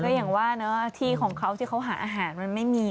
อย่างว่าที่ของเขาที่เขาหาอาหารมันไม่มี